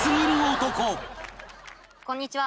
こんにちは。